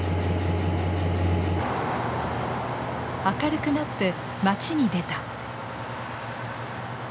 明るくなって町に出た。